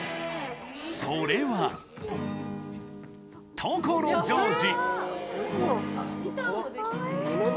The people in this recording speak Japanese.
それは、所ジョージ。